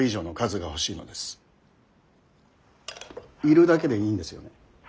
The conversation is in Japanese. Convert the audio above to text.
いるだけでいいんですよね。